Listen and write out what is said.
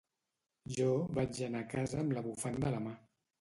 Jo vaig anar a casa amb la bufanda a la mà.